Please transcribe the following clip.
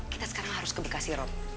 kita sekarang harus ke bikasi rob